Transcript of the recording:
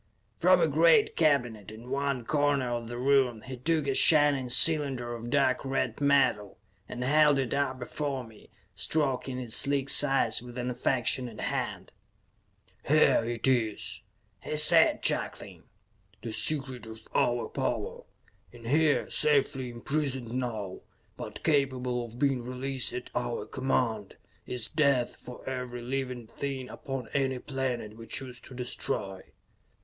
From a great cabinet in one corner of the room he took a shining cylinder of dark red metal, and held it up before him, stroking its sleek sides with an affectionate hand. "Here it is," he said, chuckling. "The secret of our power. In here, safely imprisoned now, but capable of being released at our command, is death for every living thing upon any planet we choose to destroy."